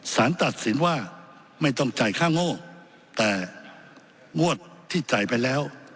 สารตัดสินว่าไม่ต้องจ่ายค่าโง่แต่งวดที่จ่ายไปแล้ว